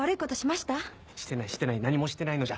してないしてない何もしてないのじゃ。